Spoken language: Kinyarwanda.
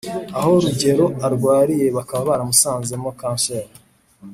aho rugero arwariye bakaba baramusanzemo cancer